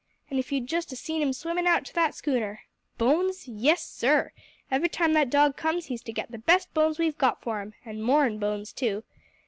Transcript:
And if you'd just 'a' seen him swimming out to that schooner! Bones? Yes, sir! Every time that dog comes here he's to get the best bones we've got for him and more'n bones, too.